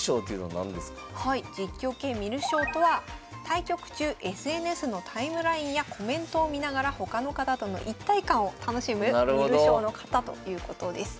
はい実況系観る将とは対局中ＳＮＳのタイムラインやコメントを見ながら他の方との一体感を楽しむ観る将の方ということです。